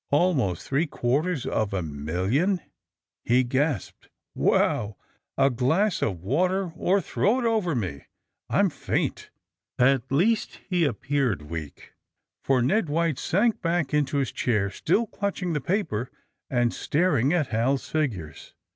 ^^ Almost three quarters of a million!" he gasped. ^^ Wow ! A glass of water — or throw it over me ! I 'm faint. '' At least he appeared weak, for Ned White sank back into his chair, still clutching the paper and staring at Hal's figures.